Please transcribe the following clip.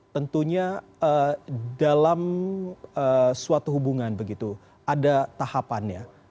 tentunya dalam suatu hubungan begitu ada tahapannya